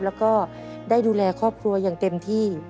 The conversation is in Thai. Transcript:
แล้วก็ได้ดูแลครอบครัวอย่างเต็มที่